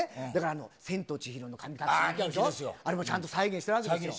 千と千尋の神隠しも、あれもちゃんと再現してるわけです。